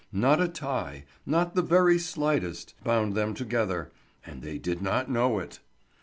Not a tie, not the very slightest, bound them together, and they did not know it!